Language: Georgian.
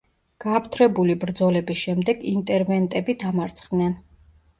გააფთრებული ბრძოლების შემდეგ ინტერვენტები დამარცხდნენ.